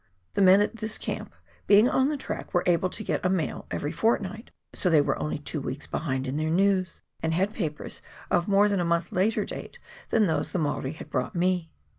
The men at this camp, being on the track, were able to get a mail eyery fortnight, so they were only two weeks behindhand in their news, and had papers of more than a month later date than those the Maori had brought me.